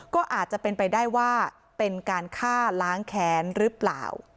ก็อาจจะเป็นไปได้ว่าเป็นการฆ่าล้างแค้นหรือเปล่า